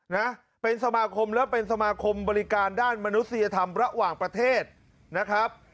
นะเป็นสมาคมแล้วเป็นสมาคมบริการด้านมนุษยธรรมระหว่างประเทศนะครับ